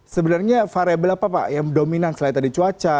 sebenarnya variable apa pak yang dominan selain tadi cuaca